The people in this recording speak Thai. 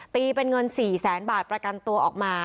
ตีเป็นเงิน๔แสนบาทประกันตัวออกมา